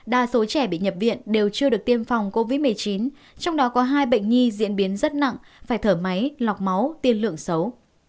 đa số trẻ bị nhập viện đều chưa được tiêm phòng covid một mươi chín trong đó có hai bệnh nhi diễn biến rất nặng phải thở máy lọc máu tiên lượng xấu